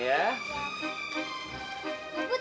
keput ya kak